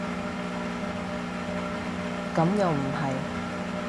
咁又唔係